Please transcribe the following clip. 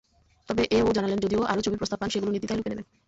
তবে এ-ও জানালেন, যদি আরও ছবির প্রস্তাব পান, সেগুলো নির্দ্বিধায় লুফে নেবেন।